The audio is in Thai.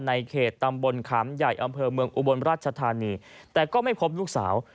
ในเขตตำบลขามใหญ่อำเภอเมืองอุบลราชธานีแต่ก็ไม่พบลูกสาว